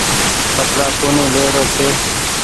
ڪپڙآ ڪونيٚ لي رو ڇي۔